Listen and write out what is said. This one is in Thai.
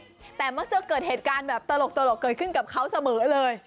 อันนั้นมันจะเกิดเหตุการณ์ตลกเกิดขึ้นกับเขาเสมอเลย